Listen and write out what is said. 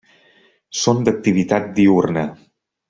Són d'activitat diürna.